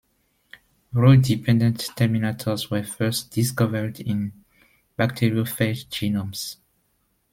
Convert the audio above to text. Rho-dependent terminators were first discovered in bacteriophage genomes.